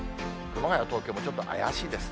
熊谷、東京もちょっと怪しいです。